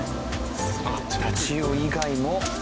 あっタチウオ以外も。